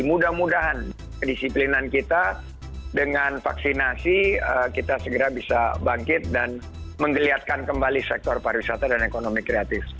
mudah mudahan kedisiplinan kita dengan vaksinasi kita segera bisa bangkit dan menggeliatkan kembali sektor pariwisata dan ekonomi kreatif